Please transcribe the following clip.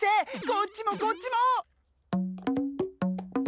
こっちもこっちも！